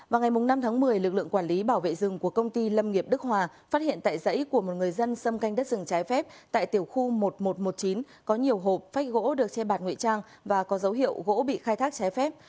vào ngày năm tháng một mươi lực lượng quản lý bảo vệ rừng của công ty lâm nghiệp đức hòa phát hiện tại dãy của một người dân xâm canh đất rừng trái phép tại tiểu khu một nghìn một trăm một mươi chín có nhiều hộp phách gỗ được che bạt nguy trang và có dấu hiệu gỗ bị khai thác trái phép